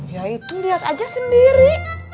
ya itu lihat aja sendiri